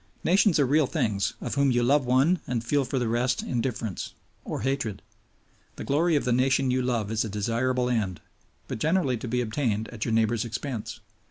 Nations are real things, of whom you love one and feel for the rest indifference or hatred. The glory of the nation you love is a desirable end, but generally to be obtained at your neighbor's expense.